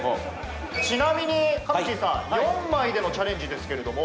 ちなみにかみちぃさん４枚でのチャレンジですけれども。